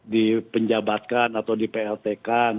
di penjabatkan atau di plt kan